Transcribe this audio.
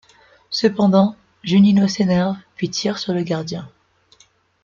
Cependant, Juninho s’énerve puis tire sur le gardien.